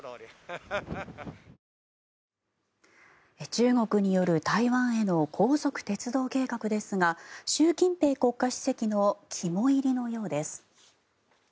中国による台湾への高速鉄道計画ですが習近平国家主席の肝煎りのようです。